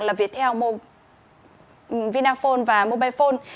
là viettel vinaphone và mobilephone